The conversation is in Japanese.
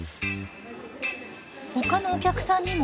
ほかのお客さんにも。